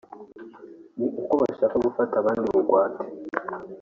ni uko abo bashaka gufata abandi bugwate